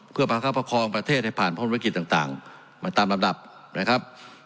เพื่อประคับประคองประเทศให้ผ่านพ้นวิกฤตต่างมาตามลำดับนะครับ